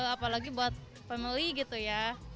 apalagi buat pembeli gitu ya